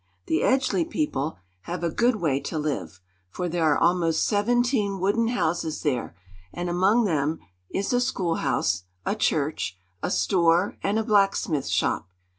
The Edgeley people have a good way to live, for there are almost seventeen wooden houses there, and among them is a school house, a church, a store and a blacksmith shop.